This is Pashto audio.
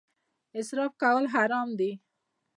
اسراف کول حرام دي